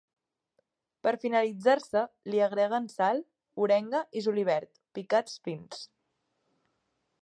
Per finalitzar se li agreguen sal, orenga i julivert picats fins.